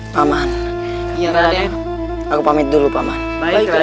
paman paman aku pamit dulu paman baik baik